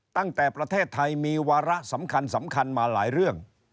ตั้งแต่ประเทศไทยมีวาระสำคัญสำคัญมาหลายเรื่อง